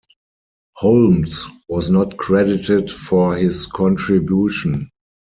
Holmes was not credited for his contribution.